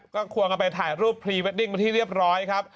ก็ควงกันไปถ่ายรูปพรีเวดดิ้งมาที่เรียบร้อยครับ